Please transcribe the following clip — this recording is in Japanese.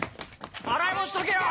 洗いもんしとけよ！